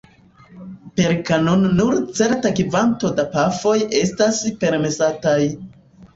Per kanono nur certa kvanto da pafoj estas permesataj.